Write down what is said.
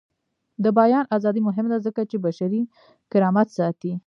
د بیان ازادي مهمه ده ځکه چې بشري کرامت ساتي.